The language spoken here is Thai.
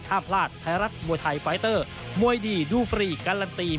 ถ้าพลาดไทยรัฐมวยไทยไฟเตอร์มวยดีดูฟรีการันตี